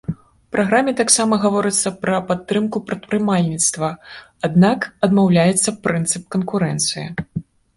У праграме таксама гаворыцца пра падтрымку прадпрымальніцтва, аднак адмаўляецца прынцып канкурэнцыі.